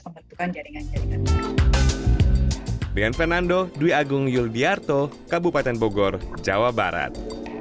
pembentukan jaringan jaringan dan fernando dui agung yul biarto kabupaten bogor jawa barat